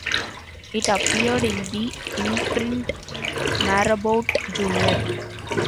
It appeared in the imprint "Marabout Junior".